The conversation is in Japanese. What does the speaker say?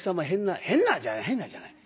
変なじゃない変なじゃない。